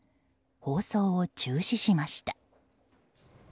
放送を中止しました。